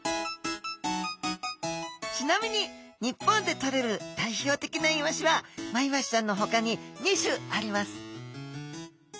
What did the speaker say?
ちなみに日本でとれる代表的なイワシはマイワシちゃんのほかに２種あります